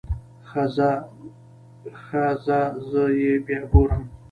ښه ځه زه يې بيا ګورم.